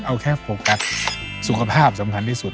เอาแค่โฟกัสสุขภาพสำคัญที่สุด